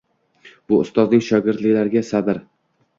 Bu ustozning shogirdlariga sabr.